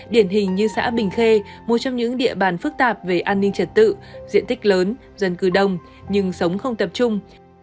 điển hình như xã bình khê một trong những địa bàn phức tạp về an ninh trật tự diện tích lớn dân cư đông nhưng sống không tập trung